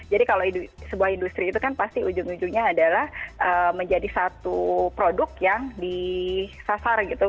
jadi kalau sebuah industri itu kan pasti ujung ujungnya adalah menjadi satu produk yang disasar gitu